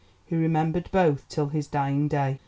He remembered both till his dying day.